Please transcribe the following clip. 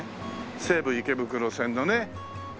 西武池袋線のね上で。